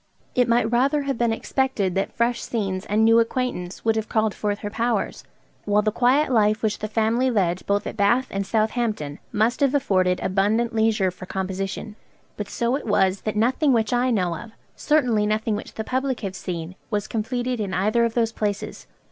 It might rather have been expected that fresh scenes and new acquaintance would have called forth her powers; while the quiet life which the family led both at Bath and Southampton must have afforded abundant leisure for composition; but so it was that nothing which I know of, certainly nothing which the public have seen, was completed in either of those places.